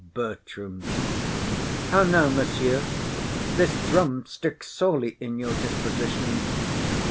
BERTRAM. How now, monsieur! This drum sticks sorely in your disposition.